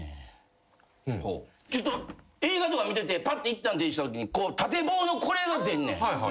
映画とか見ててパッていったん停止したときに縦棒のこれが出んねん。